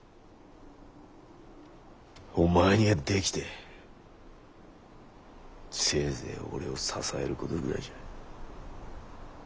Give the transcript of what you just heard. お前にはできてせいぜい俺を支えることぐらいじゃ。